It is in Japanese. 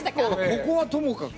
ここはともかく。